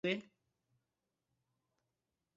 Mubyukuri ubushakashatsi butari buke mpuzamahanga bwakozwe